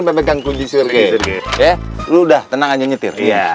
mempegang kunci surgi